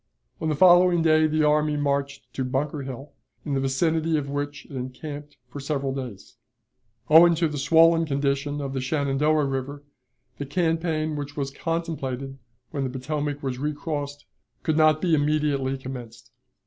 On the following day the army marched to Bunker Hill, in the vicinity of which it encamped for several days. Owing to the swollen condition of the Shenandoah River, the campaign which was contemplated when the Potomac was recrossed, could not be immediately commenced.